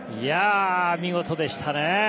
見事でしたね。